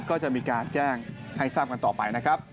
ก็จะมีการแจ้งให้ทราบกันต่อไปนะครับ